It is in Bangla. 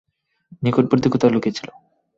নিকটবর্তী কোথাও লুকিয়ে ছিল।